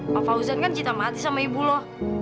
pak fauzan kan cinta mati sama ibu loh